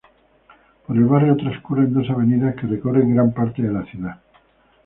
Por el barrio transcurren dos avenidas que recorren gran parte de la ciudad, Avda.